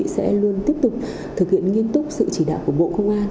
sẽ luôn tiếp tục thực hiện nghiêm túc sự chỉ đạo của bộ công an